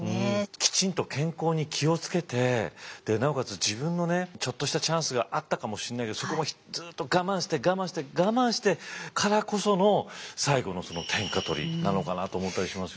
きちんと健康に気を付けてなおかつ自分のちょっとしたチャンスがあったかもしんないけどそこもずっと我慢して我慢して我慢してからこその最後の天下取りなのかなと思ったりしますよね。